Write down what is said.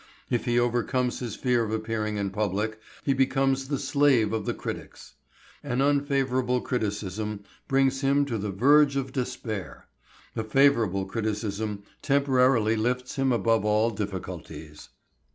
If he overcomes his fear of appearing in public, he becomes the slave of the critics. An unfavourable criticism brings him to the verge of despair; a favourable criticism temporarily lifts him above all difficulties.